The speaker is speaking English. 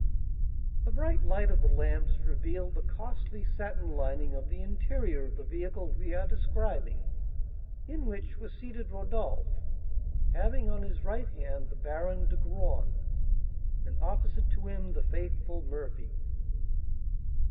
The bright light of the lamps revealed the costly satin lining of the interior of the vehicle we are describing, in which were seated Rodolph, having on his right hand the Baron de Graün, and opposite to him the faithful Murphy.